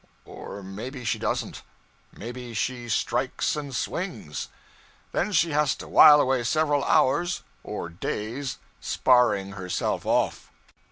Or maybe she doesn't; maybe she 'strikes and swings.' Then she has to while away several hours (or days) sparring herself off.